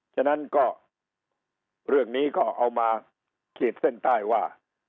ฉะนั้นก็เรื่องนี้ก็เอามาขีดเส้นใต้ว่า